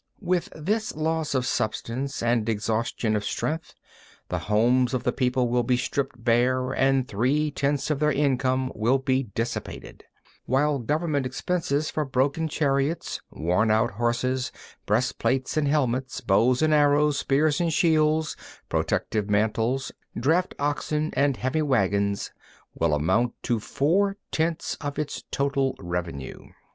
13, 14. With this loss of substance and exhaustion of strength, the homes of the people will be stripped bare, and three tenths of their incomes will be dissipated; while Government expenses for broken chariots, worn out horses, breast plates and helmets, bows and arrows, spears and shields, protective mantlets, draught oxen and heavy waggons, will amount to four tenths of its total revenue.